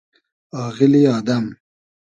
آغیلی آدئم